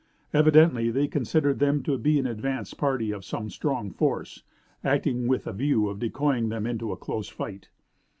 Evidently they considered them to be an advance party of some strong force, acting with a view of decoying them into a close fight.